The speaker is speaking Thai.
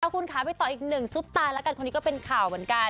คุณค่ะไปต่ออีกหนึ่งซุปตาแล้วกันคนนี้ก็เป็นข่าวเหมือนกัน